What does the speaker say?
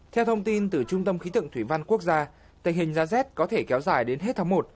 theo thông tin từ trung tâm khí tượng thủy văn quốc gia tình hình giá rét có thể kéo dài đến hết tháng một